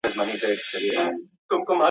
ډېر مرغان سوه د جرګې مخي ته وړاندي.